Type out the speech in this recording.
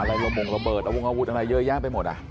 ระบงระเบิดระวงอาวุธอะไรเยอะแยะไปหมด